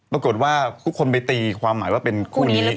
ปรากฏว่าทุกคนไปตีความหมายว่าเป็นคู่นี้